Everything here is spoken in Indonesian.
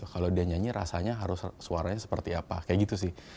kalau dia nyanyi rasanya harus suaranya seperti apa kayak gitu sih